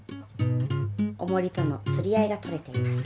おもりとのつりあいがとれています。